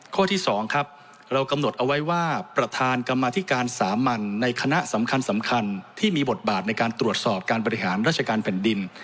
ข้อที่๒ครับเรากำหนดเอาไว้ว่าประธานกรรมธิการสามัญในคณะสำคัญที่มีบทบาทในการตรวจสอบการบริหารราชการแผ่นดิน